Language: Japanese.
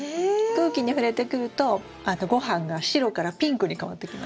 空気に触れてくると御飯が白からピンクに変わってきます。